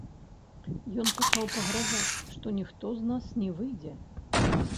Ён пачаў пагражаць, што ніхто з нас не выйдзе.